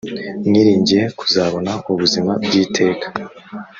mwiringiye kuzabona ubuzima bw’iteka